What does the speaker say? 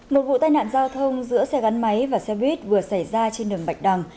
một vụ tai nạn giao thông giữa xe gắn máy và xe buýt vừa xảy ra trên đường bạch đằng